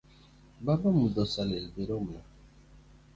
Baba mudho ose lil biromna.